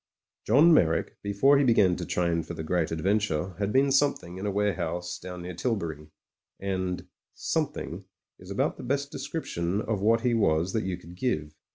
... John Meyrick, before he began to train for the great adventure, had been something in a warehouse down near Tilbury. And "something" is about the best description of what he was that you could give.